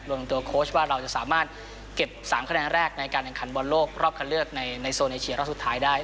รวมตัวโค้ชว่าเราจะสามารถเก็บ๓คะแนนแรกในการแข่งขันบอลโลกรอบคันเลือกในโซนเอเชียรอบสุดท้ายได้